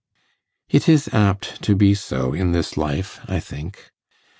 It is apt to be so in this life, I think.